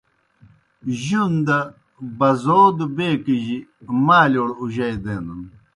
جُون دہ بزودوْ بیکِجیْ مالِیؤڑ اُجئی دینَن۔